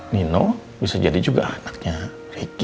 nino bisa jadi juga anaknya ricky